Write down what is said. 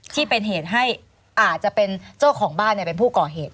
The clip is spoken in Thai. ที่เป็นเหตุให้อาจจะเป็นเจ้าของบ้านเป็นผู้ก่อเหตุ